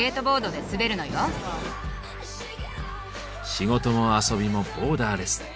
仕事も遊びもボーダーレス。